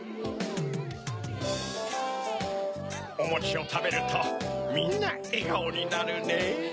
おもちをたべるとみんなえがおになるねぇ。